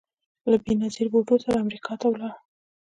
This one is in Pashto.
له بېنظیر بوټو سره امریکا ته ولاړ